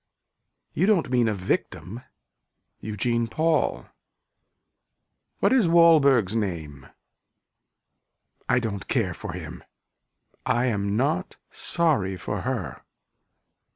You don't mean a victim. Eugene Paul. What is Walberg's name. I don't care for him. I am not sorry for her.